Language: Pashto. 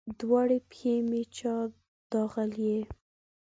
دواړې پښې مې چا داغلي